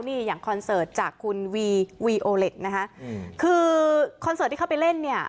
นี่อย่างคอนเสิร์ตจากคุณวีวีโอเล็กนะคะคือคอนเสิร์ตที่เข้าไปเล่นเนี่ย